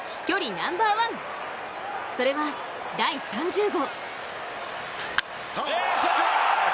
ナンバーワンそれは第３０号。